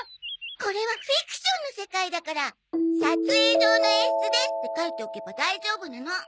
これはフィクションの世界だから「撮影上の演出です」って書いておけば大丈夫なの。